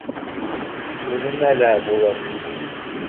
— Үҙемә лә булыр